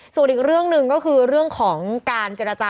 ส่วนอีกเรื่องหนึ่งก็คือเรื่องของการเจรจา